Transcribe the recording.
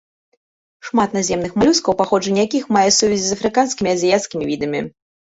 Шмат наземных малюскаў, паходжанне якіх мае сувязі з афрыканскімі і азіяцкімі відамі.